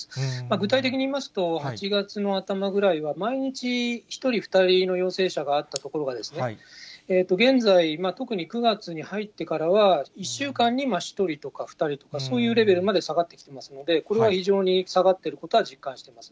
具体的に言いますと、８月の頭ぐらいは毎日、１人、２人の陽性者があったところがですね、現在、特に９月に入ってからは、１週間に１人とか２人とかそういうレベルにまで下がってきていますので、これは非常に下がってることは実感しています。